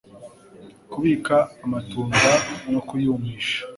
Kubika Amatunda no Kuyumisha